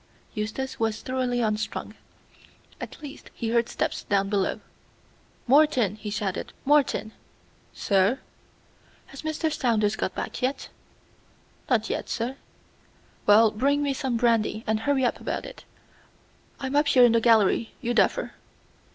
Eustace was thoroughly unstrung. At last he heard steps down below. "Morton!" he shouted; "Morton!" "Sir?" "Has Mr. Saunders got back yet?" "Not yet, sir." "Well, bring me some brandy, and hurry up about it. I'm up here in the gallery, you duffer."